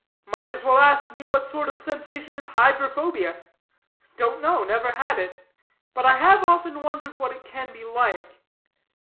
"Might as well ask me what sort of sensation is hydrophobia. Don't know; never had it. But I have often wondered what it can be like.